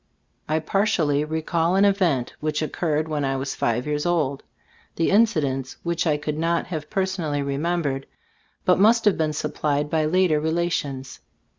I partially recall an event which oc curred when I was five years old ; the incidents which I could not have per sonally remembered, must have been supplied by later relations.